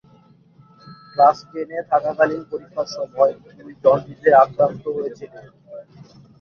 Class টেনে থাকাকালীন পরীক্ষার সময় তুই জন্ডিসে আক্রান্ত হয়েছিলি।